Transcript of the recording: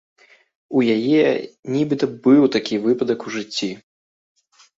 У яе, нібыта, быў такі выпадак у жыцці.